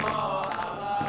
salam allah allah wasalam